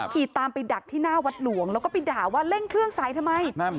ขี่ตามไปดักที่หน้าวัดหลวงแล้วก็ไปด่าว่าเร่งเครื่องสายทำไม